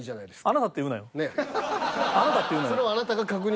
あなたって言うなよ。